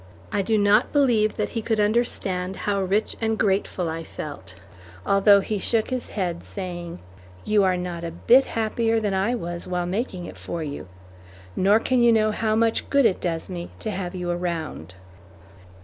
I do not believe that he could understand how rich and grateful I felt, although he shook his head saying, "You are not a bit happier than I was while making it for you, nor can you know how much good it does me to have you around."